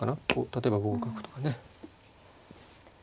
例えば５五角とかね。